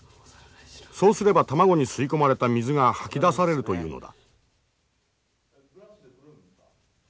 そうすれば卵に吸い込まれた水がはき出されるというのだ。